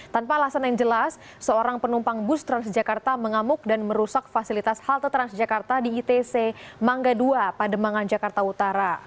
tanpa alasan yang jelas seorang penumpang bus transjakarta mengamuk dan merusak fasilitas halte transjakarta di itc mangga dua pademangan jakarta utara